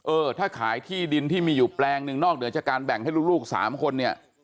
เออถ้าขายที่ดินที่มีอยู่แปลงหนึ่งนอกเหนือจากการแบ่งให้ลูก๓คนเนี่ย